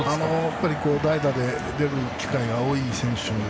代打で出る機会が多い選手